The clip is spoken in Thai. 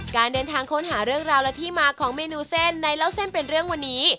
การเดินทางค้นหาเรื่องราวและที่มาของเมนูเส้นในเล่าเส้นเป็นเรื่องวันนี้